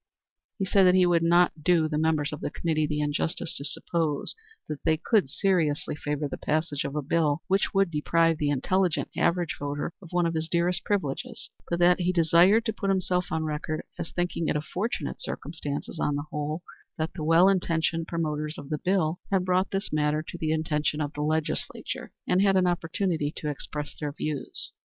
He said that he would not do the members of the committee the injustice to suppose that they could seriously favor the passage of a bill which would deprive the intelligent average voter of one of his dearest privileges; but that he desired to put himself on record as thinking it a fortunate circumstance, on the whole, that the well intentioned promoters of the bill had brought this matter to the attention of the legislature, and had an opportunity to express their views.